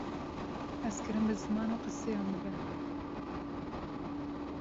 Hezkirin bi ziman û qiseyan dibe.